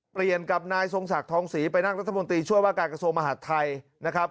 กับนายทรงศักดิ์ทองศรีไปนั่งรัฐมนตรีช่วยว่าการกระทรวงมหาดไทยนะครับ